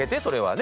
ね